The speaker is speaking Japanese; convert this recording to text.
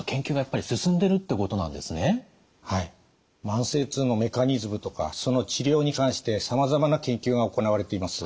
慢性痛のメカニズムとかその治療に関してさまざまな研究が行われています。